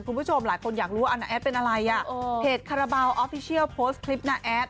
คุณผู้ชมหลายคนอยากรู้ว่าน้าแอดเป็นอะไรอ่ะเพจคาราบาลออฟฟิเชียลโพสต์คลิปนาแอด